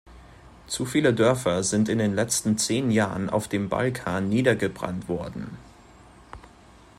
Zu viele Dörfer sind in den letzten zehn Jahren auf dem Balkan niedergebrannt worden.